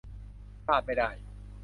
พลาดไม่ได้ !